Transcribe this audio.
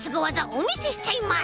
おみせしちゃいます！